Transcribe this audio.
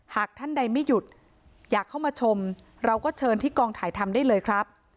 หากท่านใดไม่หยุดอยากเข้ามาชมเราก็เชิญที่กองถ่ายทำได้เลยครับ